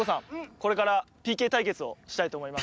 これからＰＫたいけつをしたいとおもいます。